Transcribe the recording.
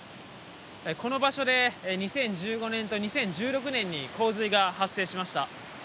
この場所で２０１５年と２０１６年に洪水が発生しました。